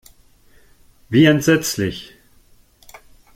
Wie entsetzlich!